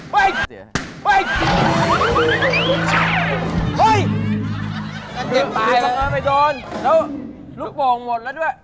พี่เราลดโป่งหมดแล้วด้วย